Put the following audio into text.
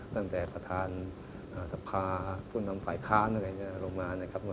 ตั้งแต่ประธานสภาผู้นำฝ่ายค้า